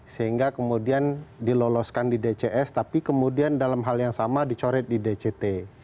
sehingga kemudian diloloskan di dcs tapi kemudian dalam hal yang sama dicoret di dct